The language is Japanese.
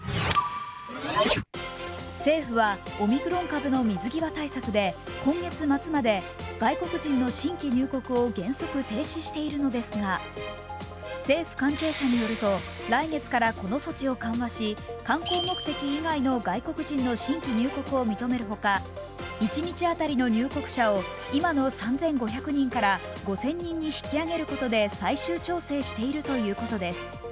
政府はオミクロン株の水際対策で今月末まで外国人の新規入国を原則停止しているのですが政府関係者によると、来月からこの措置を緩和し、観光目的以外の外国人の新規入国を認めるほか、一日当たりの入国者を今の３５００人から５０００人に引き上げることで最終調整しているということです。